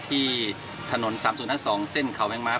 ที่ถนน๓๐๕๒เส้นเขามั๊ยงม้า